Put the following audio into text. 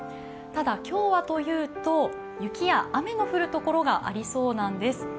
ただ、今日はというと雪や雨の降るところがありそうなんです。